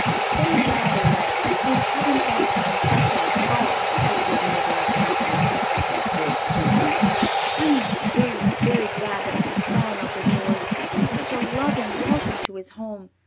"Say rather that if we hadn't gone to confess our fault, it would never have happened," said Worth gently. "I'm very, very glad that I have found Uncle George and such a loving welcome to his home.